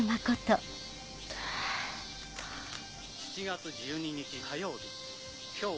７月１２日火曜日。